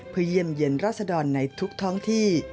เพื่อเยี่ยมเยี่ยนราษดรในทุกท้องที่